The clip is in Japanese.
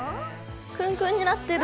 くるんくるんになってる！